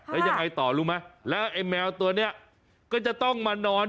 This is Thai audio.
แล้วยังไงต่อรู้ไหมแล้วไอ้แมวตัวนี้ก็จะต้องมานอน